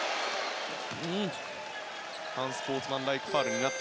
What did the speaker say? アンスポーツマンライクファウルです。